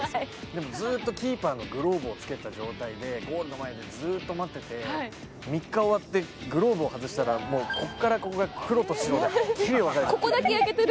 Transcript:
でもずーっとキーパーのグローブをつけた状態でゴールの前でずっと待ってて、３日終わってグローブを外したらここからここで白と黒ではっきり分かれてて。